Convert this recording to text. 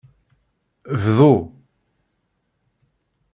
Bḍu.